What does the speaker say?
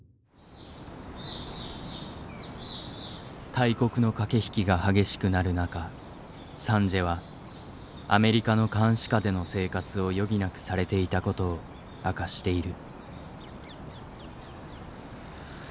大国の駆け引きが激しくなる中サンジエはアメリカの監視下での生活を余儀なくされていたことを明かしている。